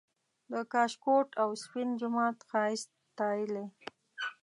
د کاشکوټ او سپین جومات ښایست ستایلی